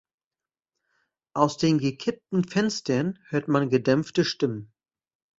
Aus den gekippten Fenstern hört man gedämpfte Stimmen.